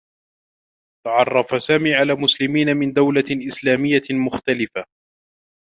تعرّف سامي على مسلمين من دول إسلاميّة مختلفة.